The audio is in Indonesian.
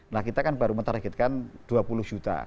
nah kita kan baru menargetkan dua puluh juta